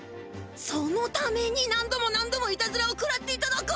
そのために何度も何度もいたずらを食らっていただか！？